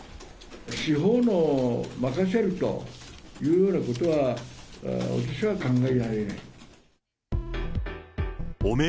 司法に任せるというようなことは、私は考えられない。